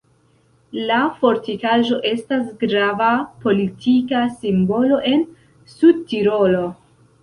La fortikaĵo estas grava politika simbolo en Sudtirolo.